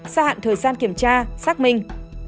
ra hạn thời gian kiểm tra xác minh